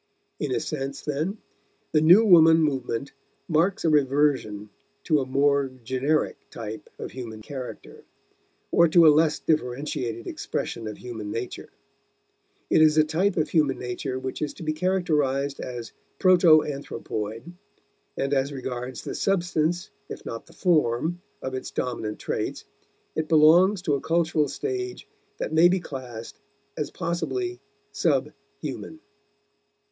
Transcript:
In a sense, then, the new woman movement marks a reversion to a more generic type of human character, or to a less differentiated expression of human nature. It is a type of human nature which is to be characterized as proto anthropoid, and, as regards the substance if not the form of its dominant traits, it belongs to a cultural stage that may be classed as possibly sub human.